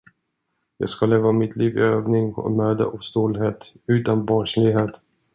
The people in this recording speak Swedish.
Jag skall leva mitt liv i övning och möda och stolthet, utan barnslighet.